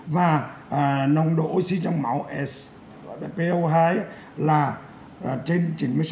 và nồng độ oxy trong máu po hai là trên chín mươi sáu